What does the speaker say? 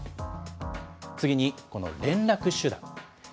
次に、この連絡手段。